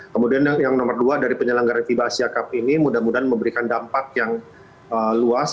kemudian yang nomor dua dari penyelenggara fiba asia cup ini mudah mudahan memberikan dampak yang luas